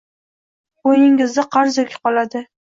Bo‘yningizda qarz yuki qoladi.